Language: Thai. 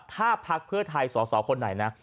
ห้าภักดีะเพื่้อไทยส่อคนไหนนะ